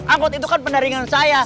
angkot itu kan pendaringan saya